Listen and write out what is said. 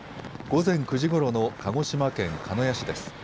午前９時ごろの鹿児島県鹿屋市です。